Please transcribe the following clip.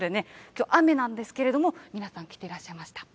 きょう雨なんですけれども、皆さん、来てらっしゃいました。